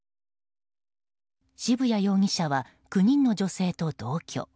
渋谷容疑者は９人の女性と同居。